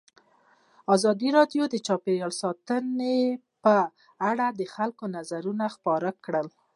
ازادي راډیو د چاپیریال ساتنه په اړه د خلکو نظرونه خپاره کړي.